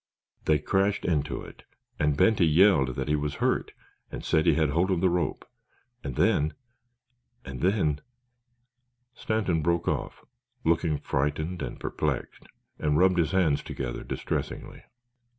"They crashed into it and Benty yelled that he was hurt and said he had hold of the rope. And then—and then—" Stanton broke off, looking frightened and perplexed, and rubbed his hands together distressingly.